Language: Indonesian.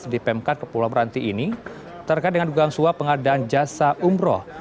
di pemkat kepulau meranti ini terkait dengan dugaan suap pengadaan jasa umroh